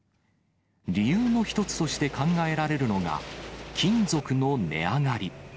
理由の一つとして考えられるのが、金属の値上がり。